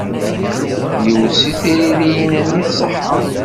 Yiwet seg tririyin-nni tṣeḥḥa.